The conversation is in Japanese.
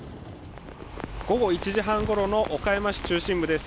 午後１時半ごろの岡山市中心部です。